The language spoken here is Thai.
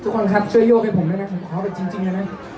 ทุกคนครับช่วยโยกให้ผมด้วยนะครับผมขอเอาแบบจริงด้วยนะครับ